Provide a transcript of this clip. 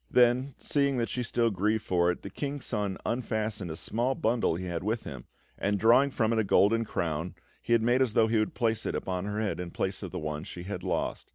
Then, seeing that she still grieved for it, the King's Son unfastened a small bundle he had with him, and drawing from it a golden crown, he made as though he would place it upon her head in place of the one she had lost.